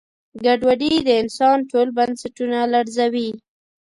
ګډوډي د انسان ټول بنسټونه لړزوي.